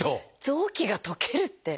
臓器が溶けるって。